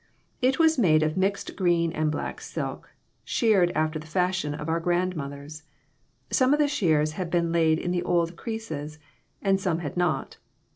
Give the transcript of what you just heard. It was made of mixed green and black silk, shirred after the fashion of our grandmothers. Some of the shirrs had been laid in the old creases, and some had not.